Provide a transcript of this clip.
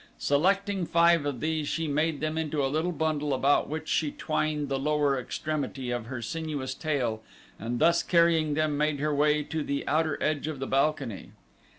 Selecting five of these she made them into a little bundle about which she twined the lower extremity of her sinuous tail and thus carrying them made her way to the outer edge of the balcony.